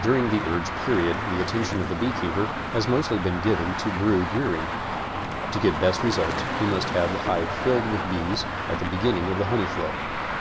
During the urge period the attention of the beekeeper has mostly been given to brood rearing. To get best results he must have the hive filled with bees at the beginning of the honey flow.